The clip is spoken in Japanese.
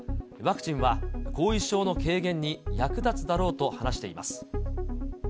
ワクチンは後遺症の軽減に役立つだろうと話しています。